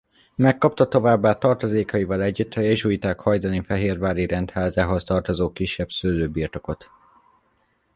Megkapta továbbá tartozékaival együtt a jezsuiták hajdani fehérvári rendházához tartozó kisebb szőlőbirtokot.